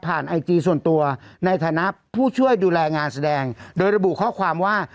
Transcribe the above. ไอจีส่วนตัวในฐานะผู้ช่วยดูแลงานแสดงโดยระบุข้อความว่า